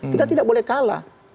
kita tidak boleh kalah